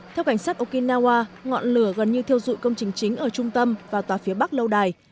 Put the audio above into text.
theo cảnh sát okinawa ngọn lửa gần như theo dụi công trình chính ở trung tâm và tòa phía bắc lâu đài